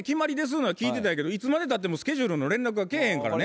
ゆうのは聞いてたんやけどいつまでたってもスケジュールの連絡が来えへんからね。